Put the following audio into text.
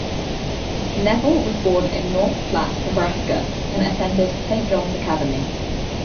Neville was born in North Platte, Nebraska and attended Saint John's Academy.